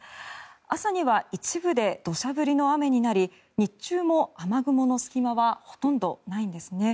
朝には一部で土砂降りの雨になり日中も雨雲の隙間はほとんどないんですね。